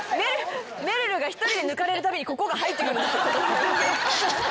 めるるが１人で抜かれるたびにここが入ってくるんですよ。